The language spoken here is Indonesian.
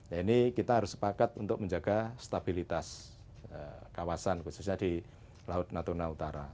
ya ini kita harus sepakat untuk menjaga stabilitas kawasan khususnya di laut natuna utara